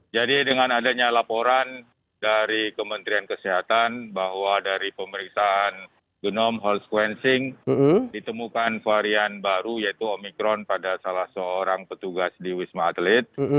jadi dengan adanya laporan dari kementerian kesehatan bahwa dari pemeriksaan genom whole sequencing ditemukan varian baru yaitu omikron pada salah seorang petugas di wisma atlet